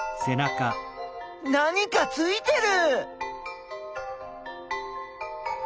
何かついてる！